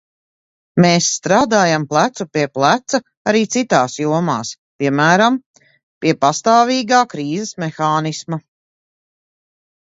Mēs strādājam plecu pie pleca arī citās jomās, piemēram, pie pastāvīgā krīzes mehānisma.